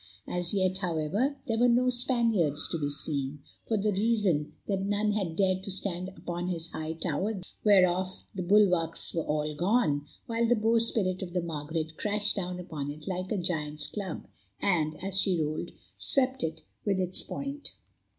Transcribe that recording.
As yet, however, there were no Spaniards to be seen, for the reason that none had dared to stand upon this high tower whereof the bulwarks were all gone, while the bowsprit of the Margaret crashed down upon it like a giant's club, and, as she rolled, swept it with its point.